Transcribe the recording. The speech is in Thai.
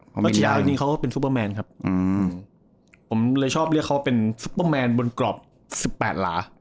เช้าอย่างนี้เขาก็เป็นซูเปอร์แมนครับอืมผมเลยชอบเรียกเขาเป็นซูเปอร์แมนบนกรอบ๑๘หลา